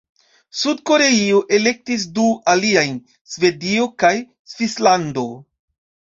Sud-Koreio elektis du aliajn: Svedio kaj Svislando.